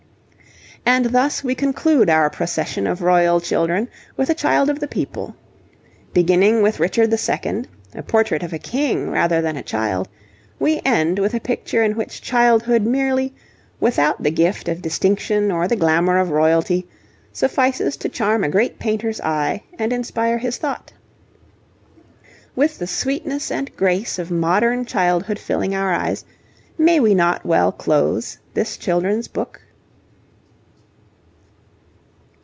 And thus we conclude our procession of royal children with a child of the people. Beginning with Richard II., a portrait of a king rather than a child, we end with a picture in which childhood merely, without the gift of distinction or the glamour of royalty, suffices to charm a great painter's eye and inspire his thought. With the sweetness and grace of modern childhood filling our eyes, may we not well close this children's book?